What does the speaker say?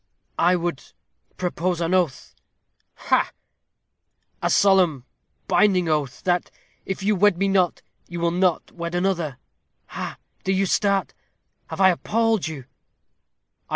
"I would propose an oath." "Ha!" "A solemn, binding oath, that; if you wed me not, you will not wed another. Ha! do you start? Have I appalled you?"